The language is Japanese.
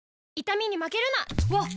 わっ！